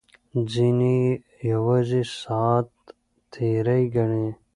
ځینې یې یوازې ساعت تېرۍ ګڼي.